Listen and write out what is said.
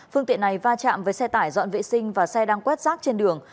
phương tiện này va chạm với xe tải dọn vệ sinh và xe đang quét rác trên đường